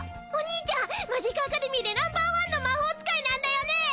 お兄ちゃんマジカアカデミーでナンバーワンの魔法使いなんだよね！